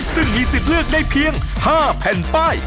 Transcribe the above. ซึ่งมีสิทธิ์เลือกได้เพียง๕แผ่นป้าย